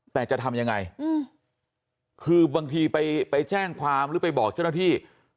แต่จะทำยังไงคือบางทีไปแจ้งความหรือไปบอกเจ้าหน้าที่